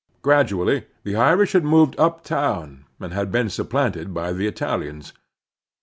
Gradually the Irish had moved uptown, and had been supplanted by the Italians.